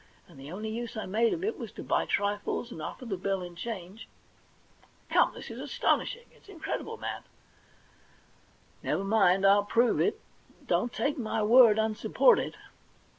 And the only use I made of it was to buy trifles and offer the bill in change.* * Come, this is astonishing ! It's incredible, man !'' Never mind, I'll prove it. Don't take my word unsupported.'